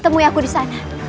temui aku disana